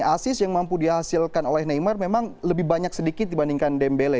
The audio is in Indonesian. asis yang mampu dihasilkan oleh neymar memang lebih banyak sedikit dibandingkan dembele